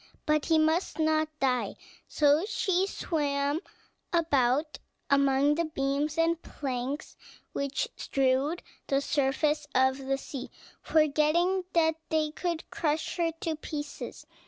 But he must not die. So she swam about among the beams and planks which strewed the surface of the sea, forgetting that they could crush her to pieces.